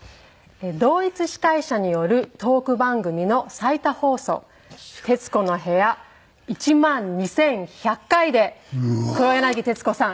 同一司会者によるトーク番組の最多放送『徹子の部屋』１万２１００回で黒柳徹子さん